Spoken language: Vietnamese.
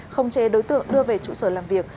không chế đối tượng đưa về trụ sở làm việc